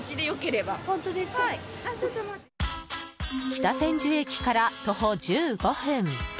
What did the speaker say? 北千住駅から徒歩１５分